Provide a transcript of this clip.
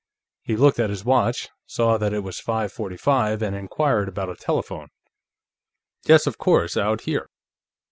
He looked at his watch, saw that it was five forty five, and inquired about a telephone. "Yes, of course; out here."